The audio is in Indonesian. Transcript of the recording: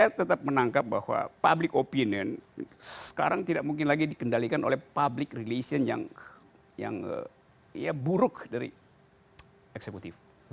jadi saya tetap menangkap bahwa public opinion sekarang tidak mungkin lagi dikendalikan oleh public relation yang ya buruk dari eksekutif